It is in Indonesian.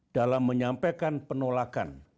dalam menyampaikan penolakan